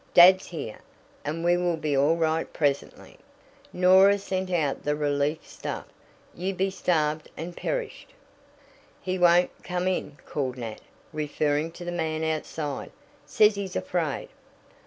Dad's here, and we will be all right presently. Norah sent out the relief stuff you be starved and perished." "He won't come in," called Nat, referring to the man outside, "Says he's afraid."